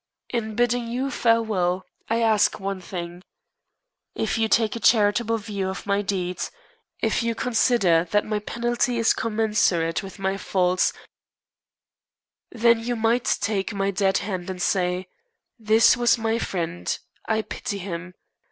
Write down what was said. In bidding you farewell I ask one thing. If you take a charitable view of my deeds, if you consider that my penalty is commensurate with my faults, then you might take my dead hand and say, "This was my friend. I pity him.